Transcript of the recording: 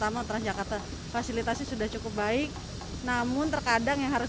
sama transjakarta fasilitasi sudah cukup baik namun terkadang yang harus